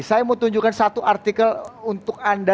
saya mau tunjukkan satu artikel untuk anda